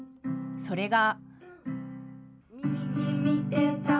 それが。